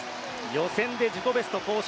予選で自己ベスト更新。